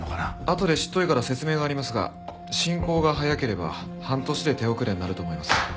あとで執刀医から説明がありますが進行が早ければ半年で手遅れになると思います。